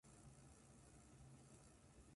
インターネット回線が遅い